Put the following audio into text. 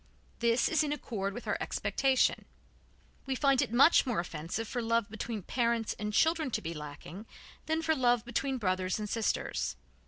This is in accord with our expectation; we find it much more offensive for love between parents and children to be lacking than for love between brothers and sisters.